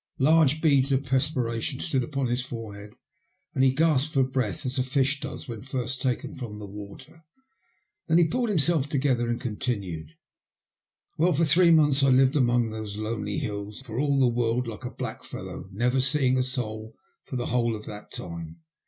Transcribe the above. Large beads of perspiration stood upon his forehead, and he gasped for breath, as a fish does when first taken from the water. Then he pulled himself together and continued :'' Welly for three months I lived among those lonely hills, for all the world like a black fellow, never seeing a soul for the whole of that time.